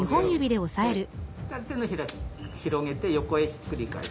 手のひら広げて横へひっくり返す。